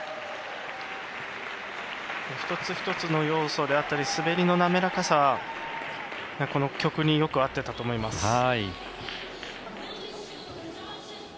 一つ一つの要素であったり滑りの滑らかさが、この曲によく合っていたと思います。